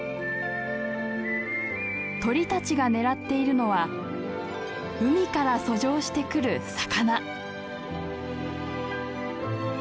鳥たちが狙っているのは海から遡上してくる魚。